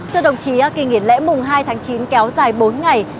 thưa đồng chí kỳ nghỉ lễ mùng hai tháng chín kéo dài bốn ngày